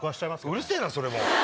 うるせぇなそれも。